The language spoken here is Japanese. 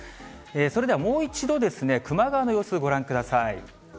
それではもう一度、球磨川の様子、ご覧ください。